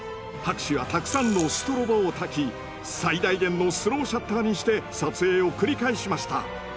博士はたくさんのストロボをたき最大限のスローシャッターにして撮影を繰り返しました。